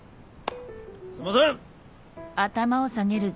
すいません！